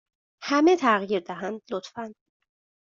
همه تغییر دهند، لطفا.